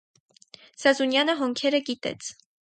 Զազունյանը հոնքերը կիտեց: